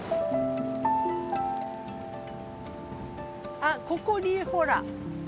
あっここにほら。